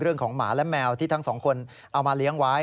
เรื่องของหมาและแมวที่ทั้งสองคนเอามาเลี้ยงไว้